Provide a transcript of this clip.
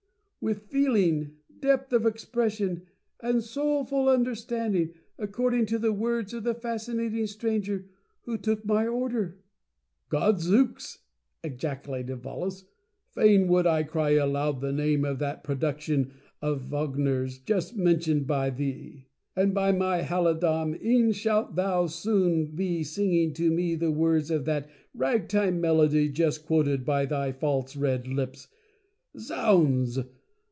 with feeling, depth of expression, and soulful understanding, ac cording to the words of the Fascinating Stranger who took my order." "Gadzooks !" ejaculated Volos, "Fain would I cry aloud the name of that production of Vogner's just mentioned by thee. And by my Halidom, e'en shalt thou soon be singing to me the words of that rag time melody just quoted by thy false red lips ! Zounds